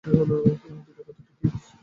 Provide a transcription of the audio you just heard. আর দ্বিতীয় কথাটি কি?